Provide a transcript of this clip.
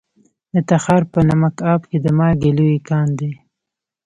د تخار په نمک اب کې د مالګې لوی کان دی.